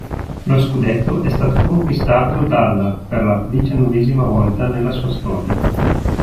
Lo scudetto è stato conquistato dalla per la diciannovesima volta nella sua storia.